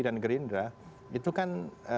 dan gerindra itu kan